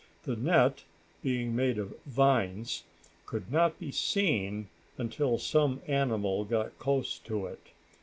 The net, being made of vines, could not be seen until some animal got close to it.